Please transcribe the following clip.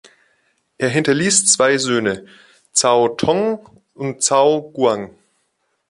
Er hinterließ zwei Söhne, Zhao Tong und Zhao Guang.